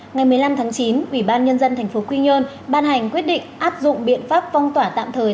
ngày một mươi năm tháng chín ủy ban nhân dân tp quy nhơn ban hành quyết định áp dụng biện pháp phong tỏa tạm thời